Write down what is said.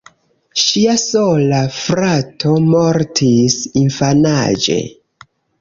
Ŝia sola frato mortis infanaĝe.